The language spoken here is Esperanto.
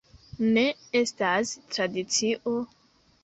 Ne, estas tradicio...